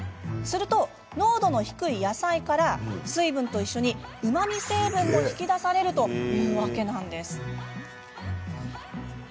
すると、濃度の低い野菜から水分と一緒にうまみ成分も引き出されるというわけなんです。